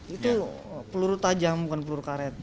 itu peluru tajam bukan peluru karet